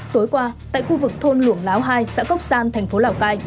tối qua tại khu vực thôn luồng láo hai xã cốc san thành phố lào cai